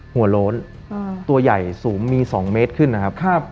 หัวโล้นตัวใหญ่สูงมี๒เมตรขึ้นนะครับ